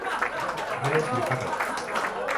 Res li fa res.